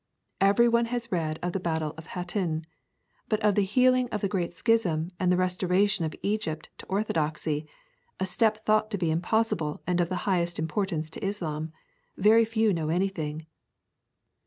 Everyone has read of the battle of Hattin; but of the healing of the great schism and the restoration of Egypt to orthodoxy a step thought to be impossible and of the highest importance to Islam very few know anything.